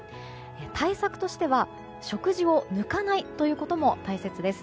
対策としては食事を抜かないということも大切です。